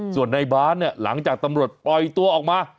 ส่วนในบาสเนี่ยหลังจากตำรวจปล่อยตัวออกมา